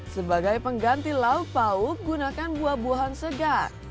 sebagai pengganti lauk pauk gunakan buah mangga